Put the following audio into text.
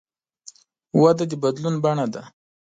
وده د بدلون بڼه ده.